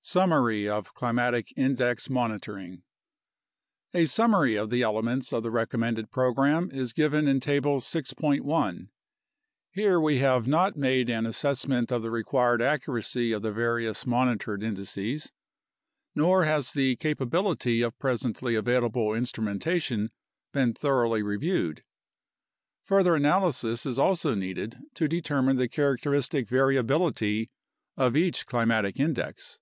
Summary of Climatic Index Monitoring A summary of the elements of the recommended program is given in Table 6.1. Here we have not made an assessment of the required accuracy of the various monitored indices, nor has the capability of presently available instrumentation been thoroughly reviewed. Further analysis is also needed to determine the characteristic variability of each climatic index.